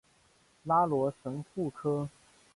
拉罗什富科。